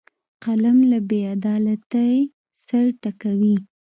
قلم له بیعدالتۍ سر ټکوي